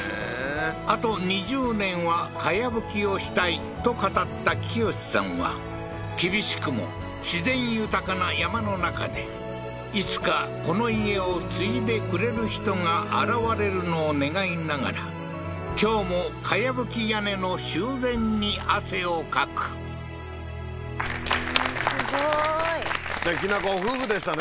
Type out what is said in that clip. あと２０年は茅葺きをしたいと語った清司さんは厳しくも自然豊かな山の中でいつかこの家を継いでくれる人が現れるのを願いながら今日も茅葺き屋根の修繕に汗をかくすごーいすてきなご夫婦でしたね